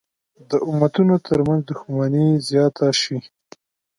د امتونو تر منځ دښمني زیاته شي.